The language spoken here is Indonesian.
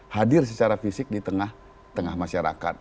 hadir secara fisik di tengah masyarakat